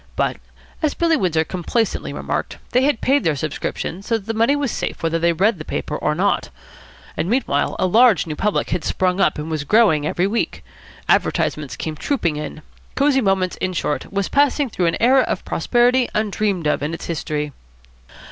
But, as Billy Windsor complacently remarked, they had paid their subscriptions, so that the money was safe whether they read the paper or not. And, meanwhile, a large new public had sprung up and was growing every week. Advertisements came trooping in. Cosy Moments, in short, was passing through an era of prosperity undreamed of in its history.